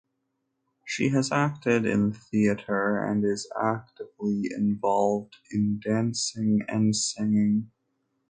She has acted in theater and is actively involved in dancing and singing.